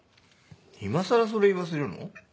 今更それ言わせるの？